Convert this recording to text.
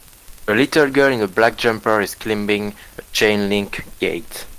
A little girl in a black jumper is climbing a chain link gate.